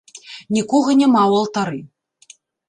Нікога няма ў алтары.